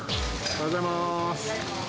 おはようございます。